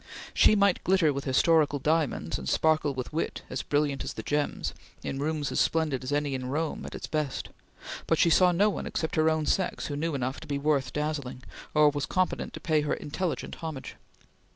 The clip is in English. She might glitter with historical diamonds and sparkle with wit as brilliant as the gems, in rooms as splendid as any in Rome at its best; but she saw no one except her own sex who knew enough to be worth dazzling, or was competent to pay her intelligent homage.